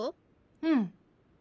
うん。